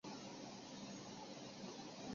比朗人口变化图示